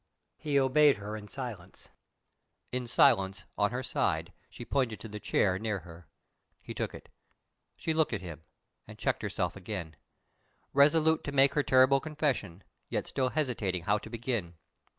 He obeyed her in silence. In silence, on her side, she pointed to the chair near her. He took it. She looked at him, and checked herself again; resolute to make her terrible confession, yet still hesitating how to begin.